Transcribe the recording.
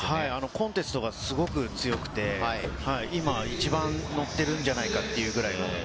コンテストがすごく強くて、今、一番のってるんじゃないかなという。